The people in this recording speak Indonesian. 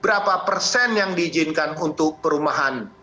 berapa persen yang diizinkan untuk perumahan